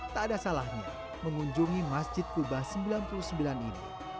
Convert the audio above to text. tak ada salahnya mengunjungi masjid kuba sembilan puluh sembilan ini